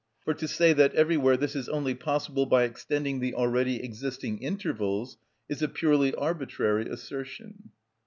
For to say that everywhere this is only possible by extending the already existing intervals is a purely arbitrary assertion.